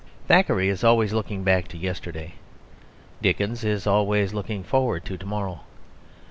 Thackeray is always looking back to yesterday; Dickens is always looking forward to to morrow.